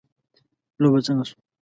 لوبه څنګه شوه